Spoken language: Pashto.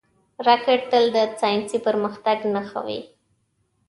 راکټ تل د ساینسي پرمختګ نښه وي